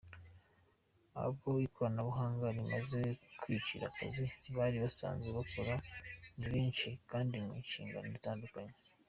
Abo ikoranabuhanga rimaze kwicira akazi bari basanzwe bakora ni benshi, kandi mu mishinga itandukanye.